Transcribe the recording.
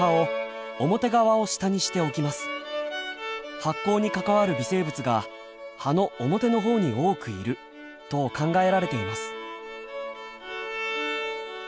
発酵に関わる微生物が葉の表のほうに多くいると考えられています。